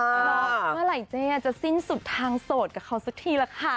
เมื่อไหร่เจ๊จะสิ้นสุดทางโสดกับเขาสักทีละค่ะ